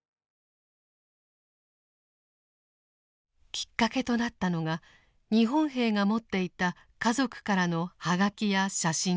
きっかけとなったのが日本兵が持っていた家族からの葉書や写真です。